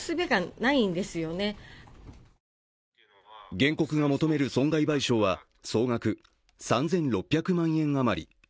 原告が求める損害賠償は総額３６００万円余り。